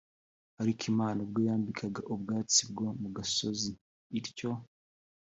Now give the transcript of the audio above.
Ariko Imana ubwo yambika ubwatsi bwo mu gasozi ityo